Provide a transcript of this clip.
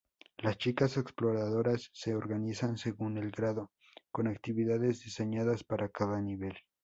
Las chicas exploradoras se organizan según el grado, con actividades diseñadas para cada nivel.